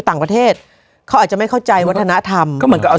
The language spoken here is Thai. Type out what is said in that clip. ต่างประเทศเขาอาจจะไม่เข้าใจวัฒนธรรมก็เหมือนกับเอา